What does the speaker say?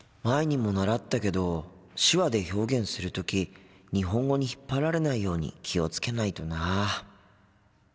前にも習ったけど手話で表現する時日本語に引っ張られないように気を付けないとな。